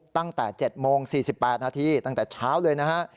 ตั้งแต่๗โมง๔๘นาทีตั้งแต่เช้าเลยนะฮะ